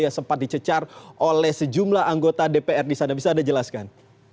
yang sempat dicecar oleh sejumlah anggota dpr di sana bisa anda jelaskan